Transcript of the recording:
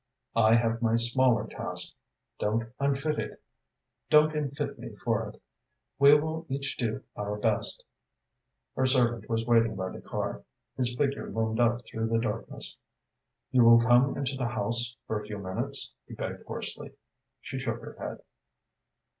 I have my smaller task. Don't unfit me for it. We will each do our best." Her servant was waiting by the car. His figure loomed up through the darkness. "You will come into the house for a few minutes?" he begged hoarsely. She shook her head.